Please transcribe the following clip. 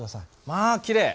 まあきれい！